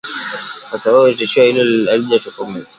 Kwa sababu tishio hilo halijatokomezwa.